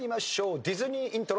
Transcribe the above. ディズニーイントロ。